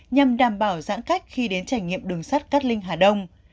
nhằm đảm bảo giãn cách khi đến trải nghiệm đường sắt cát linh hà đông